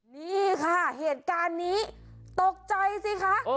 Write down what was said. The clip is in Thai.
นี่ค่ะเหตุการณ์นี้ตกใจสิคะ